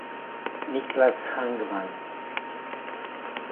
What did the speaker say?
Niklas Hagman